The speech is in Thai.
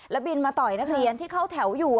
บินมาต่อยนักเรียนที่เข้าแถวอยู่